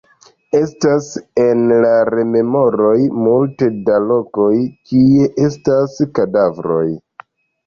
Estas en la rememoroj multe da lokoj, kie estas kadavroj.